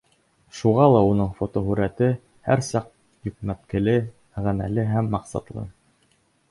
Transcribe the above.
Шуға ла уның фотоһүрәте һәр саҡ йөкмәткеле, мәғәнәле һәм маҡсатлы.